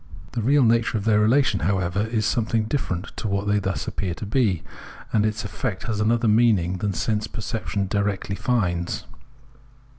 The real nature of their relation, however, is something different from what they thus appear to be, and its effect has another meaning than sense perception directly finds.